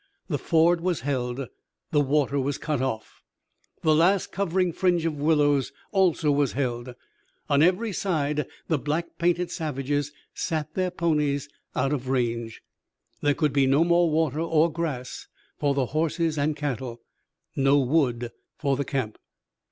The ford was held, the water was cut off! The last covering fringe of willows also was held. On every side the black painted savages sat their ponies, out of range. There could be no more water or grass for the horses and cattle, no wood for the camp.